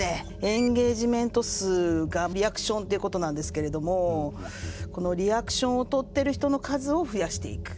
エンゲージメント数がリアクションっていうことなんですけれどもこのリアクションをとってる人の数を増やしていく。